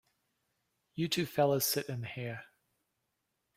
You two fellas sit in here.